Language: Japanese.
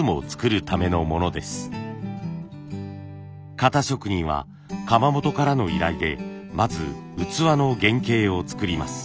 型職人は窯元からの依頼でまず器の原型を作ります。